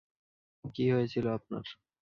কী হয়েছিল আপনার?